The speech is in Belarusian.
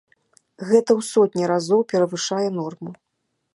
Гэта ў сотні разоў перавышае норму.